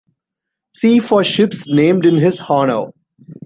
See for ships named in his honor.